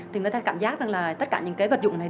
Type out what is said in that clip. thì người ta cảm giác rằng là tất cả những cái vật dụng này